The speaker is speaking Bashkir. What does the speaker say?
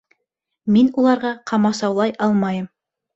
Мин уларға ҡамасаулай алмайым.